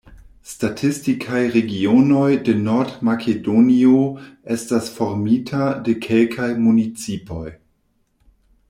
Statistikaj regionoj de Nord-Makedonio estas formita de kelkaj municipoj.